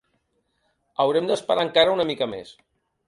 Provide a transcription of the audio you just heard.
Haurem d’esperar encara una mica més.